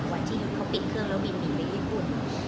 วันที่เขาปิดเครื่องเราวิ่งสุดท้ายในญี่ปุ่น